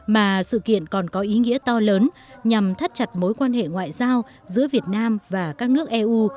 mà sự kiện còn có ý nghĩa to lớn nhằm thắt chặt mối quan hệ ngoại giao giữa việt nam và các nước eu